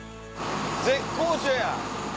絶好調や！